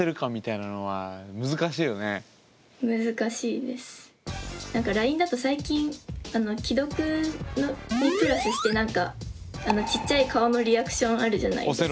なんかＬＩＮＥだと最近既読にプラスしてなんかちっちゃい顔のリアクションあるじゃないですか。